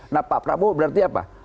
nah pak prabowo berarti apa